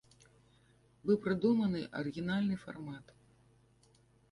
Быў прыдуманы арыгінальны фармат.